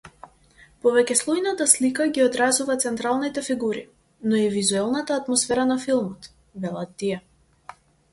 Повеќеслојната слика ги одразува централните фигури, но и вузелната атмосфера на филмот, велат тие.